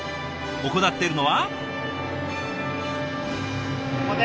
行っているのは。